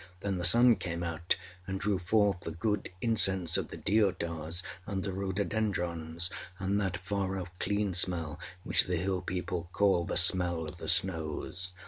Then the sun came out, and drew forth the good incense of the deodars and the rhododendrons, and that far off, clean smell which the Hill people call âthe smell of the snows.